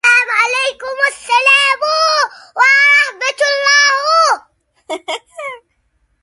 Variety program "Big Night Out" was an "In Melbourne Tonight" style production.